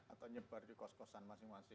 atau nyebar di kos kosan masing masing